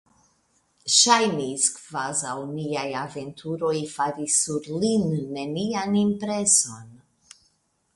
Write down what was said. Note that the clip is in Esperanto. Ŝajnis, kvazaŭ niaj aventuroj faris sur lin nenian impreson.